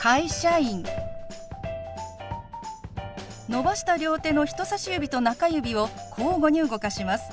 伸ばした両手の人さし指と中指を交互に動かします。